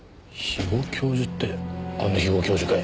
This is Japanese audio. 肥後教授ってあの肥後教授か？